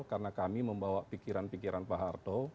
karena kami membawa pikiran pikiran pak harto